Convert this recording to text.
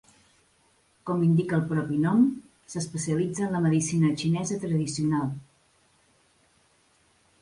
Com indica el propi nom, s"especialitza en la medicina xinesa tradicional.